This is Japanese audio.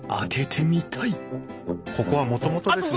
ここはもともとですね。